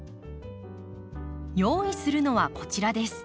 用意するのはこちらです。